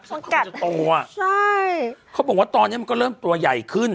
สักพักมันจะโตอ่ะใช่เขาบอกว่าตอนเนี้ยมันก็เริ่มตัวใหญ่ขึ้น